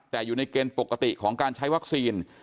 แต่อยู่ในเกณฑ์ปกติของการใช้วัคซีน